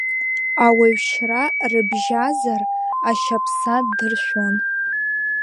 Ауаҩшьра рыбжьазар, ашьаԥса ддыршәон.